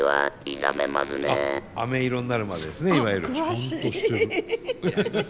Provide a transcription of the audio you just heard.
ちゃんとしてる。